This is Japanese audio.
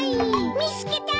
・見つけた！